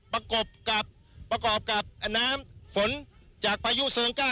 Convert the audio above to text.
ประกอบกับน้ำฝนจากปายุเสิงก้า